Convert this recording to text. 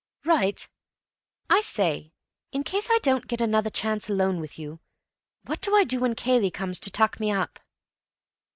"Right. I say, in case I don't get another chance alone with you—what do I do when Cayley comes to tuck me up?"